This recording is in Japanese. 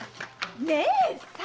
義姉さん！